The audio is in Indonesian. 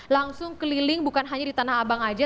langsung keliling bukan hanya di tanah abang aja